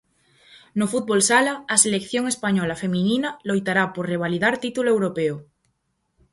No fútbol sala, a selección española feminina loitará por revalidar título europeo.